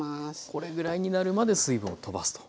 これぐらいになるまで水分をとばすと。